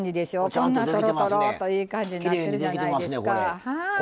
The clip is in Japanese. こんなとろとろっといい感じになってるじゃないですか。